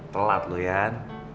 telat lu yan